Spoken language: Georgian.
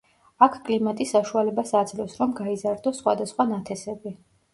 აქ კლიმატი საშუალებას აძლევს, რომ გაიზარდოს სხვადასხვა ნათესები.